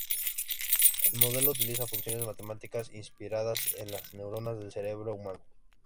El modelo utiliza funciones matemáticas inspiradas en las neuronas del cerebro humano.